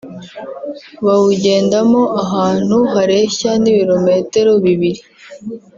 bawugendamo ahantu hareshya nk’ibilometero bibiri